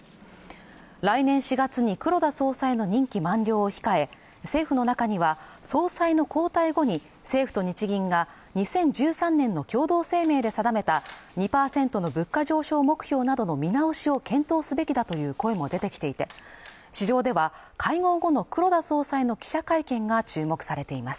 来年４月に黒田総裁の任期満了を控え政府の中には総裁の交代後に政府と日銀が２０１３年の共同声明で定めた２％の物価上昇目標などの見直しを検討すべきだという声も出てきていて市場では会合後の黒田総裁の記者会見が注目されています